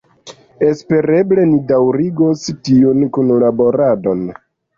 Espereble ni daŭrigos tiun kunlaboradon.